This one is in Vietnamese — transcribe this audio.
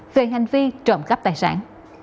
về hành vi trộm cắp tài sản